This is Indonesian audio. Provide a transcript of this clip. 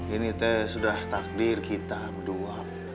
ini teh sudah takdir kita berdua